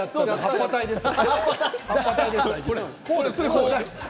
葉っぱ隊ですよ。